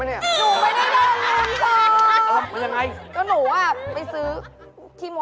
โอ้โฮอองค์คีน